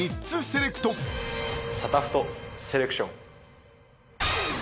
サタフトセレクション。